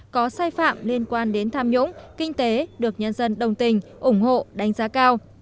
có sai phạm liên quan đến tham nhũng kinh tế được nhân dân đồng tình ủng hộ đánh giá cao